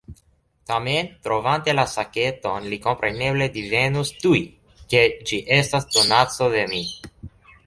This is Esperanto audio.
Tamen, trovante la saketon, li kompreneble divenus tuj, ke ĝi estas donaco de mi.